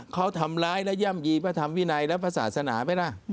เขาทำร้ายและย่ำยีพระธรรมวินัยและพระศาสนาไหมล่ะ